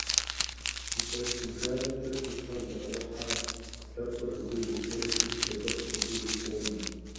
Илъэс зыбжанэкӀэ хущхъуэ зыӀэрыхьа Ӏэпкълъэпкъыр абы йосэжри, сэбэп хуэмыхъужу къонэ.